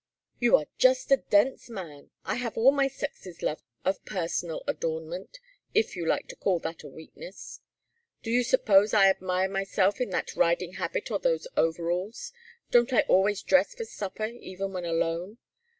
"You are just a dense man! I have all my sex's love of personal adornment, if you like to call that a weakness. Do you suppose I admire myself in that riding habit or those overalls? Don't I always dress for supper even when alone?